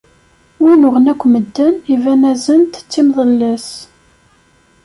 Win uɣen akk medden iban-asen-d d timeḍellas.